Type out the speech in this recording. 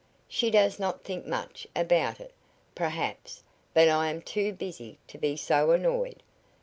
She does not think much about it, perhaps, but I am too busy to be so annoyed.